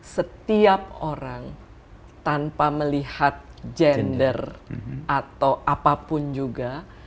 setiap orang tanpa melihat gender atau apapun juga